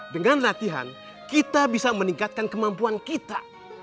dengan latihan kita bisa meningkatkan kemampuan kita